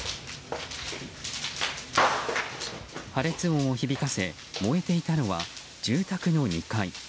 破裂音を響かせ、燃えていたのは住宅の２階。